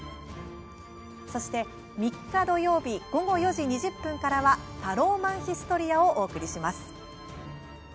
そして３日土曜日、午後４時２０分から「タローマンヒストリア」をお送りします。